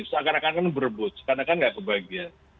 sekarang kan kan kan berebut sekarang kan kan nggak kebahagiaan